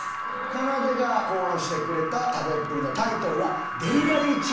かなでが考案してくれた食べっぷりのタイトル。